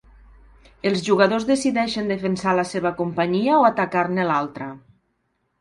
Els jugadors decideixen defensar la seva companyia o atacar-ne l'altra.